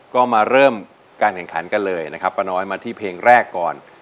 ก็มาเริ่มการแข่งขันกันเลยนะครับป้าน้อยมาที่เพลงแรกก่อน